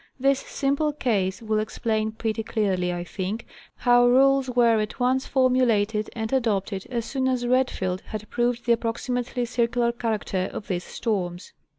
This simple case will explain pretty clearly, I think, how rules were at once formulated and adopted, as soon as Redfield had proved the approximately circular character of these storms.